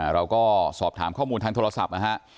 เราก็สอบถามข้อมูลทางโทรศัพท์นะฮะ